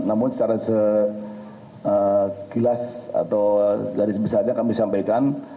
namun secara segilas atau dari sebesarnya kami sampaikan